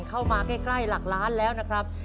เข้ามาใกล้หลักล้านแล้วนะครับ